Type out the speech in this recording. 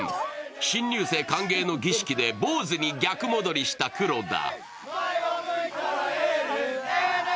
新入生歓迎の儀式で坊主に逆戻りした黒田。